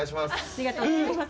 ありがとうございます。